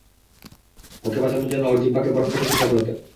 ওকে বাঁচানোর জন্য ওর জিহ্বাকে বরফ থেকে ছুটাতে হত।